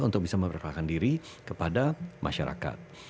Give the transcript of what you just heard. untuk bisa memperkenalkan diri kepada masyarakat